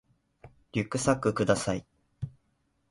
リュックサックください